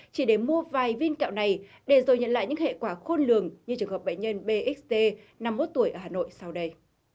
chỉ để mua vài viên kẹo này để rồi nhận lại những hệ quả khôn lường như trường hợp bệnh nhân bxt năm mươi một tuổi ở hà nội sau đây